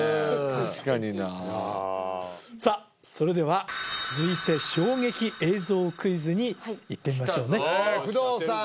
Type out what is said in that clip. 確かになあさあそれでは続いて衝撃映像クイズにいってみましょうね工藤さん